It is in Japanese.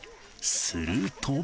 すると。